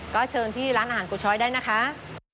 ก็เชิญที่ร้านอาหารกุช้อยได้นะคะ